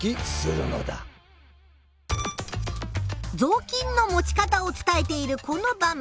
ぞうきんの持ち方を伝えているこの場面。